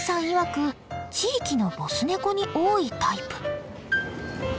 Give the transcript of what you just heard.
いわく地域のボスネコに多いタイプ。